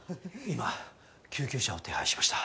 今救急車を手配しました。